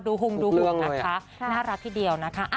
มีเบื้องเลยอะน่ารักทีเดียวนะคะ